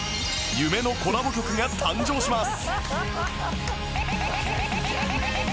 夢のコラボ曲が誕生します